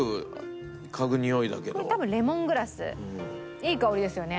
いい香りですよね